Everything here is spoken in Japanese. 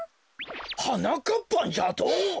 「はなかっぱん」じゃと？